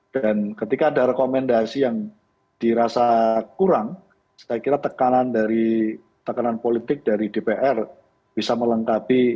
dan ketika ada rekomendasi yang dirasa kurang saya kira tekanan dari tekanan politik dari dpr bisa melengkapi